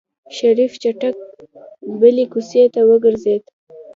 شريف چټک بلې کوڅې ته وګرځېد.